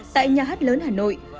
tại nhà hát lớn hà nội